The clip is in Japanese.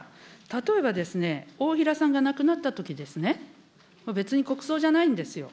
例えば、大平さんが亡くなったときですね、別に国葬じゃないんですよ。